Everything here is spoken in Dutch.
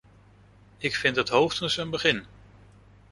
Ik vind het hoogstens een begin.